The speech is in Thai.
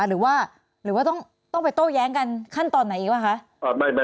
หรือว่าหรือว่าต้องไปโต้แย้งกันขั้นตอนไหนอีกป่ะคะ